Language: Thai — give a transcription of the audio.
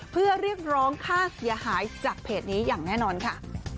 เพื่อเรียกร้องค่าเสียหายจากเพจนี้อย่างแน่นอนค่ะ